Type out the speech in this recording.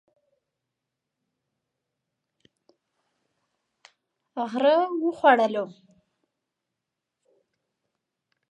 غره و خوړلو.